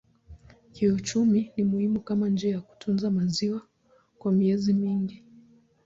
Kiuchumi ni muhimu kama njia ya kutunza maziwa kwa miezi mingi.